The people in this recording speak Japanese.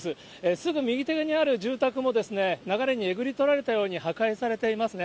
すぐ右手にある住宅も、流れにえぐりとられたように破壊されていますね。